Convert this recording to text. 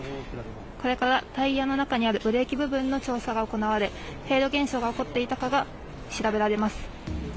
これからタイヤの中にあるブレーキ部分の調査が行われフェード現象が起こっていたかが調べられます。